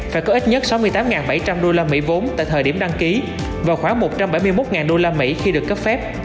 phải có ít nhất sáu mươi tám bảy trăm linh usd vốn tại thời điểm đăng ký và khoảng một trăm bảy mươi một usd khi được cấp phép